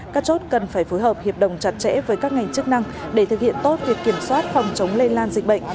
các chốt cần phải phối hợp hiệp đồng chặt chẽ với các ngành chức năng để thực hiện tốt việc kiểm soát phòng chống lây lan dịch bệnh